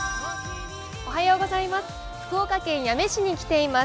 福岡県八女市に来ています